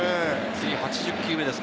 次が８０球目です。